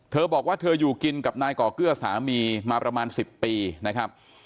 เธอบอกว่าเธออยู่กินกับนายก่อเกื้อสามีมาประมาณ๑๐ปีนะครับ